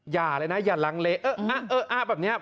อย่าเลยนะอย่าลังเลเออเออเออเออแบบเนี่ย